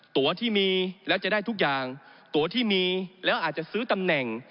ตัวที่มีแล้วจะได้ทุกอย่างตัวที่มีแล้วอาจจะซื้อตำแหน่ง